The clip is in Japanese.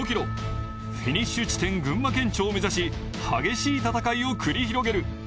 フィニッシュ地点・群馬県庁目指し激しい戦いを繰り広げる。